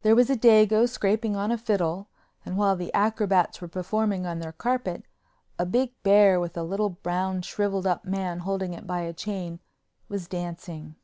There was a dago scraping on a fiddle and while the acrobats were performing on their carpet, a big bear with a little, brown, shriveled up man holding it by a chain, was dancing.